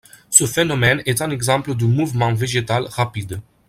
Ce phénomène est un exemple de mouvement végétal rapide.